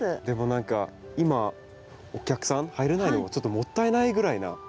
でも何か今お客さん入れないのがちょっともったいないぐらいな。